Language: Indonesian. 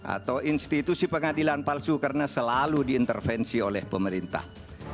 atau institusi pengadilan palsu karena selalu diintervensi oleh pemerintah